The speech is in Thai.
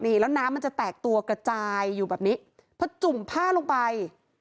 นี่แล้วน้ำมันจะแตกตัวกระจายอยู่แบบนี้พอจุ่มผ้าลงไป